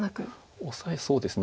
オサエそうですね。